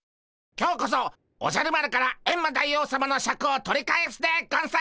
今日こそおじゃる丸からエンマ大王さまのシャクを取り返すでゴンス！